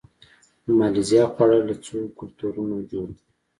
د مالیزیا خواړه له څو کلتورونو جوړ دي.